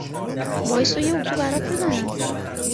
وایسا یه اتو برات بزنم